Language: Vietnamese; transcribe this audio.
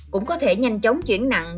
cũng có thể nhanh chóng chuyển nặng